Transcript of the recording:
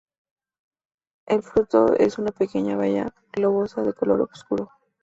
El fruto es una pequeña baya globosa de color oscuro.